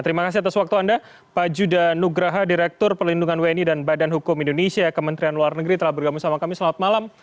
terima kasih atas waktu anda pak judah nugraha direktur pelindungan wni dan badan hukum indonesia kementerian luar negeri telah bergabung sama kami selamat malam